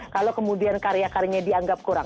kalau kemudian karyakarnya dianggap kurang